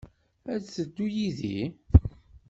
Ad d-teddu yid-i?